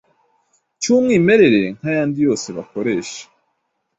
cyumwimerere nk’ayandi yose bakoresha.